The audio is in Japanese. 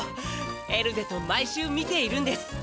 エルゼと毎週見ているんです。